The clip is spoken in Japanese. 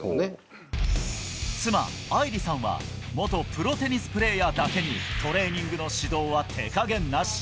妻、愛里さんは元プロテニスプレーヤーだけにトレーニングの指導は手加減なし。